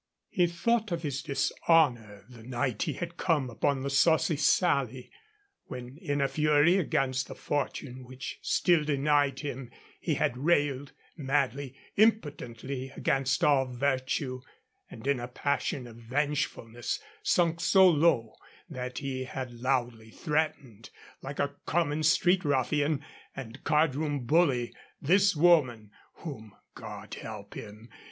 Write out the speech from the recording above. He thought of his dishonor the night he had come upon the Saucy Sally, when in a fury against the fortune which still denied him he had railed, madly, impotently, against all virtue, and in a passion of vengefulness sunk so low that he had loudly threatened, like a common street ruffian and card room bully, this woman, whom God help him!